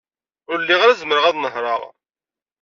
Ur lliɣ ara zemreɣ ad nehṛeɣ.